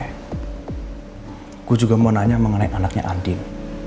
saya juga mau tanya mengenai anaknya andin